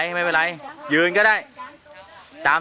ในบรรยามีอีกเกี่ยวด้วย